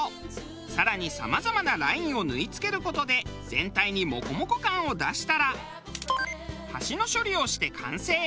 更にさまざまなラインを縫い付ける事で全体にモコモコ感を出したら端の処理をして完成。